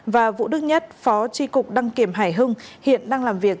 và vũ đức nhất phó tri cục đăng kiểm hải hưng hiện đang làm việc